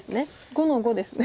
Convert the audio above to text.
５の五ですね。